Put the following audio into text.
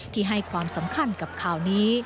ที่ให้ความสำคัญกับข่าวนี้